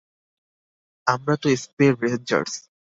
আমরা তো স্পের রেঞ্জার্স।